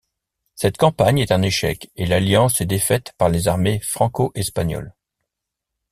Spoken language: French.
Cette campagne est un échec et l'alliance est défaite par les armées franco-espagnoles.